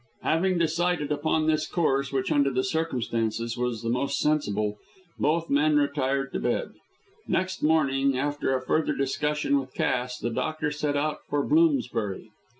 Having decided upon this course, which, under the circumstances, was the most sensible, both men retired to bed. Next morning, after a further discussion with Cass, the doctor set out for Bloomsbury.